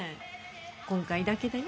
今回だけだよ。